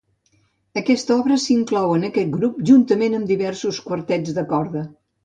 Aquesta obra s'inclou en aquest grup, juntament amb diversos quartets de corda.